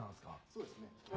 そうですね。